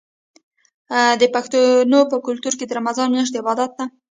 د پښتنو په کلتور کې د رمضان میاشت د عبادت ده.